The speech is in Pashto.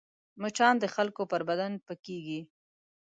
مچان د خلکو پر بدن پکېږي